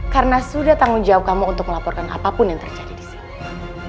karena sudah tanggung jawab kamu untuk melaporkan apapun yang terjadi disini